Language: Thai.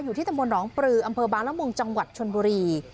ที่ตะมนตหนองปลืออำเภอบางละมุงจังหวัดชนบุรี